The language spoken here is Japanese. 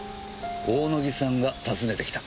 大野木さんが訪ねて来た。